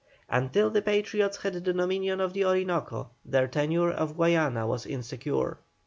Until the Patriots had the dominion of the Orinoco their tenure of Guayana was insecure.